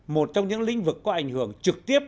một trong những lĩnh vực có ảnh hưởng trực tiếp